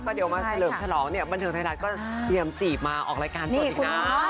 เดี๋ยวมาเฉลิมฉลองเนี่ยบันเทิงไทยรัฐก็เตรียมจีบมาออกรายการสดอีกนะ